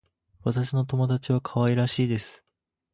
私の友達は可愛らしいです。